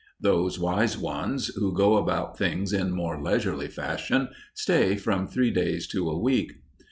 Those wise ones, who go about things in more leisurely fashion, stay from three days to a week.